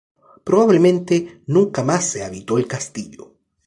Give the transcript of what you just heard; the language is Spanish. Probablemente nunca más se habitó el castillo.